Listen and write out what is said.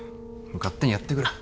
勝手にやってくれ。